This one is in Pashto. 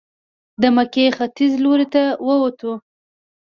د مکې ختیځ لورته ووتو.